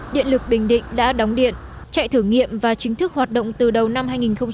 điện lực bình định đã đóng điện chạy thử nghiệm và chính thức hoạt động từ đầu năm hai nghìn một mươi chín